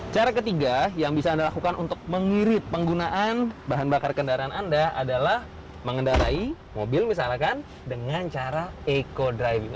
cara ketiga yang bisa anda lakukan untuk mengirit penggunaan bahan bakar kendaraan anda adalah mengendarai mobil misalkan dengan cara eco driving